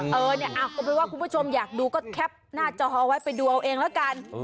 เออเนี่ยก็เป็นว่าคุณผู้ชมอยากดูก็แคปหน้าจอเอาไว้ไปดูเอาเองแล้วกัน